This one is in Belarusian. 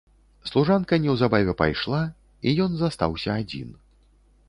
Служанка неўзабаве пайшла, і ён застаўся адзін.